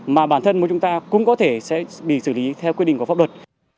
mà bản thân chúng ta cũng có thể sẽ bị xử lý theo quyết định của pháp luật